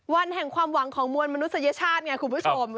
วันแห่งความหวังของมวลมนุษยชาติไงคุณผู้ชม